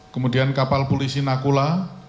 kemudian kapal polisi nakula tujuh ribu sepuluh